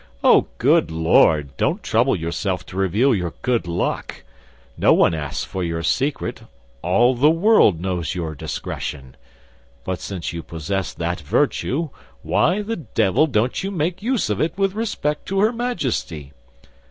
Oh, good Lord! Don't trouble yourself to reveal your good luck; no one asks for your secret—all the world knows your discretion. But since you possess that virtue, why the devil don't you make use of it with respect to her Majesty?